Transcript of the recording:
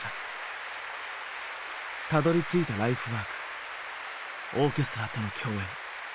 たどりついたライフワークオーケストラとの共演。